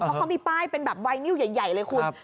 เพราะเขามีป้ายเป็นแบบไวนิวใหญ่เลยคุณ